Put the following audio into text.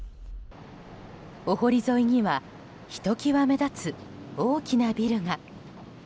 お堀沿いにはひときわ目立つ大きなビルが。